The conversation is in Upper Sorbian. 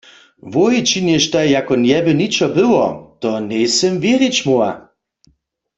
Wój činještaj jako njeby ničo było, to njejsym wěrić móhła.